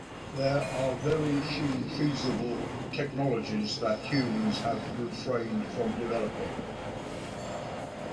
There are very few feasible technologies that humans have refrained from developing.